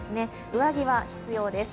上着は必要です。